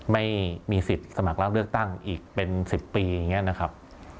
ไม่มีสิทธิ์สมัครรับเลือกตั้งอีกเป็น๑๐ปีอย่างนี้นะครับ